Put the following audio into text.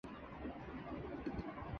سونم کے نئے انداز پر ارجن کپور کا مذاق